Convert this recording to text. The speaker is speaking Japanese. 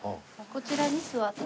こちらに座って？